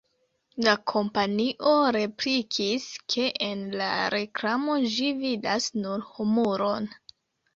La kompanio replikis, ke en la reklamo ĝi vidas nur humuron.